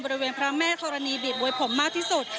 บริเวณพระแม่ธรณีบีบมวยผมมากที่สุด